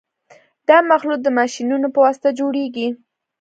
دا مخلوط د ماشینونو په واسطه جوړیږي